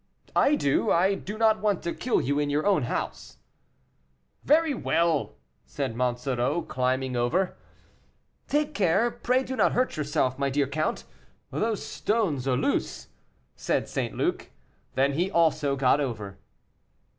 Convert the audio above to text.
"I do; I do not want to kill you in your own house." "Very well!" said Monsoreau, climbing over. "Take care; pray do not hurt yourself, my dear count; those stones are loose," said St. Luc. Then he also got over.